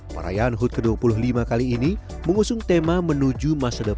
perayaan hut ke dua puluh lima kali ini mengusung tema menuju masa depan di ulang tahunnya ke dua puluh lima